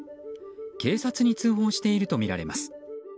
警察に通報しているとみられます。